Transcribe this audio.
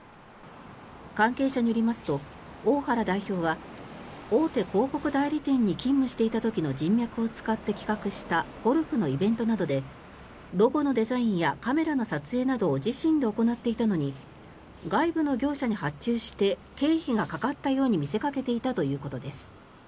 関係者によりますと大原代表は、大手広告代理店に勤務していた時の人脈を使って企画したゴルフのイベントなどでロゴのデザインやカメラの撮影などを自身で行っていたのに外部の業者に発注して経費がかかったように見せかけていたということです。